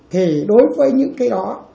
thì đối với những cái đó